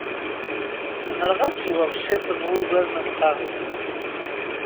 Zemreɣ ad sweɣ ciṭ n wugar n lqehwa?